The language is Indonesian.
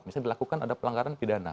misalnya dilakukan ada pelanggaran pidana